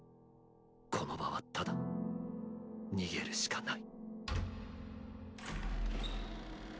この場はただ逃げるしかない。